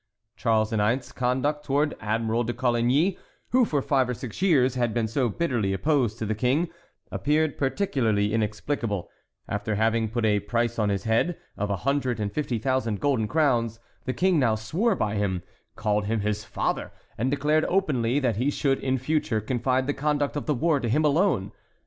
Charles IX.'s conduct toward Admiral de Coligny, who for five or six years had been so bitterly opposed to the King, appeared particularly inexplicable; after having put on his head a price of a hundred and fifty thousand golden crowns, the King now swore by him, called him his father, and declared openly that he should in future confide the conduct of the war to him alone.